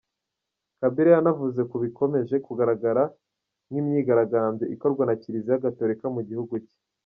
Kabila yanavuze ku bikomeje kugaragara nk’imyigaragambyo ikorwa na Kiliziya Gatolika mu gihugu cye.